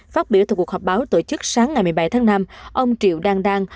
phát biểu từ cuộc họp báo tổ chức sáng ngày một mươi bảy tháng năm ông triệu đan đan